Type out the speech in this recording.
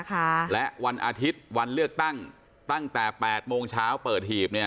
ค่ะและวันอาทิตย์วันเลือกตั้งตั้งแต่แปดโมงเช้าเปิดหีบเนี่ย